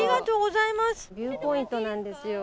ビューポイントなんですよ。